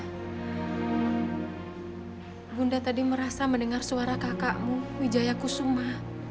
ibu nda tadi merasa mendengar suara kakakmu wijaya kusuma